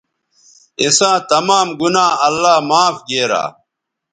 اِساں تمام گنا اللہ معاف گیرا